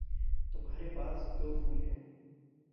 तुम्हारे पास दो फूल हैं।